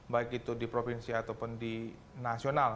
baik itu di provinsi ataupun di nasional